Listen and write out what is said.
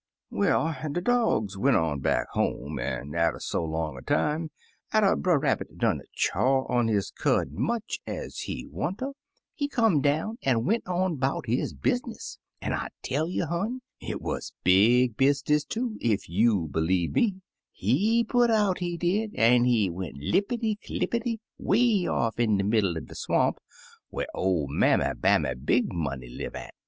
"Well, de dogs went on back home, an' atter so long a time, atter Brer Rabbit done chaw on his cud much ez he wanter, he come down, an' went on 'bout his business. 65 Uncle Remus Returns An' I tell you, hon, it 'uz big business, too, ef you *11 believe me. He put out, he did, an* he went, lippity clippity, 'way off in de middle er de swamp, whar oV Mammy Bammy Big Money live at.